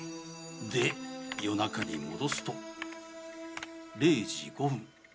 で夜中に戻すと０時５分。